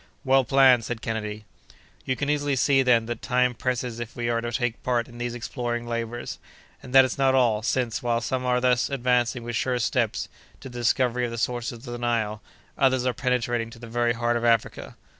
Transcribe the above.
"Well planned," said Kennedy. "You can easily see, then, that time presses if we are to take part in these exploring labors. And that is not all, since, while some are thus advancing with sure steps to the discovery of the sources of the Nile, others are penetrating to the very heart of Africa."